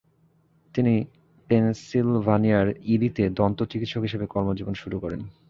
তিনি পেনসিলভানিয়ার ইরিতে দন্ত চিকিৎসক হিসেবে কর্মজীবন শুরু করেন।